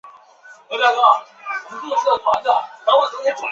他们还指责尼克松接受副总统提名属于政治投机行为。